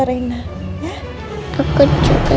tidak mau pulang dulu ya